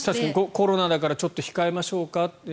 コロナだからちょっと控えましょうか